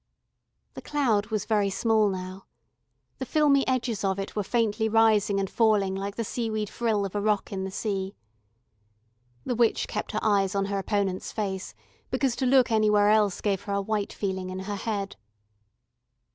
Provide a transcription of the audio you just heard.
The cloud was very small now. The filmy edges of it were faintly rising and falling like the seaweed frill of a rock in the sea. The witch kept her eyes on her opponent's face, because to look anywhere else gave her a white feeling in her head.